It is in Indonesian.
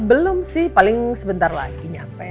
belum sih paling sebentar lagi nyampe